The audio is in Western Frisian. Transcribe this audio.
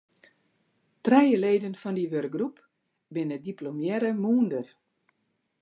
Trije leden fan dy wurkgroep binne diplomearre moolner.